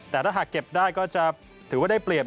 แต่ถ้าหากเก็บได้ก็จะถือว่าได้เปรียบ